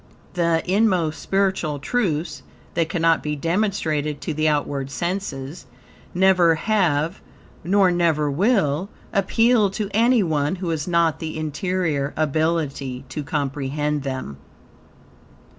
The inmost spiritual truths, that cannot be demonstrated to the outward senses, never have, nor never will, appeal to any one who has not the interior ability to comprehend them.